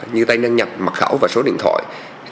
như tài năng nhập mật khẩu và số điện thoại